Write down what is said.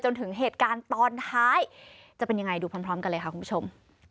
ถึงเหตุการณ์ตอนท้ายจะเป็นยังไงดูพร้อมกันเลยค่ะคุณผู้ชม